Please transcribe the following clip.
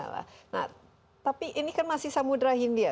nah tapi ini kan masih samudera hindia